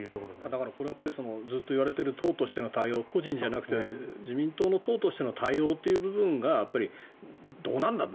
だからこれはずっと言われている党としての対応個人じゃなくて自民党の党としての対応がどうなんだ